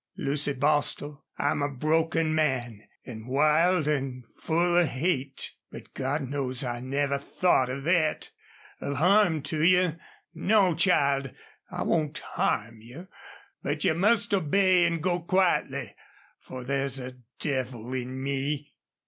"Lucy Bostil, I'm a broken man an' wild an' full of hate. But God knows I never thought of thet of harm to you.... No, child, I won't harm you. But you must obey an' go quietly, for there's a devil in me."